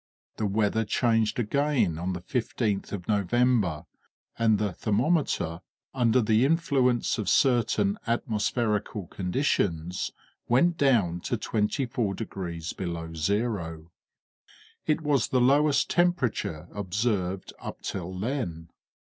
The weather changed again on the 15th of November, and the thermometer, under the influence of certain atmospherical conditions, went down to 24 degrees below zero. It was the lowest temperature observed up till then.